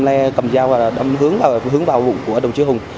nay cầm dao và đâm hướng vào vụ của đồng chí hùng